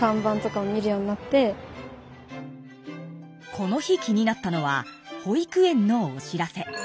この日気になったのは保育園のお知らせ。